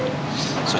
gak ada apa apa